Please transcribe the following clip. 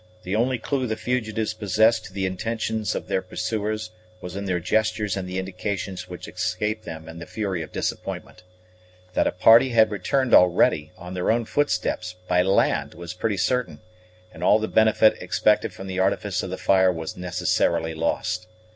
The only clue the fugitives possessed to the intentions of their pursuers was in their gestures and the indications which escaped them in the fury of disappointment. That a party had returned already, on their own footsteps, by land, was pretty certain; and all the benefit expected from the artifice of the fire was necessarily lost.